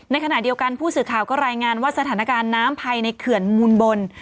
ในขณะเดียวกันผู้สื่อข่าวก็รายงานว่าสถานการณ์น้ำภายในเขื่อนมูลบน